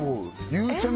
ゆうちゃみ